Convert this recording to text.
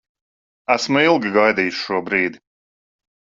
Esmu ilgi gaidījis šo brīdi.